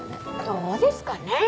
どうですかねぇ。